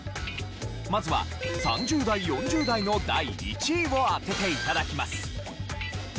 まずは３０代４０代の第１位を当てて頂きます。